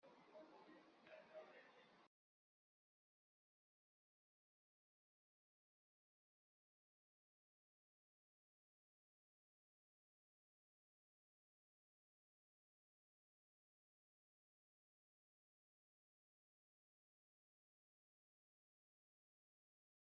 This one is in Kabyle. Cukkeɣ ur s-ɛǧibeɣ ara i baba-m.